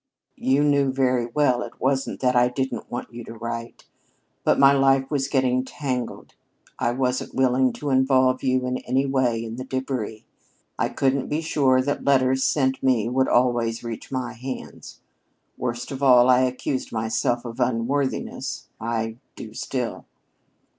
"You knew very well it wasn't that I didn't want you to write. But my life was getting tangled I wasn't willing to involve you in any way in the débris. I couldn't be sure that letters sent me would always reach my hands. Worst of all, I accused myself of unworthiness. I do so still."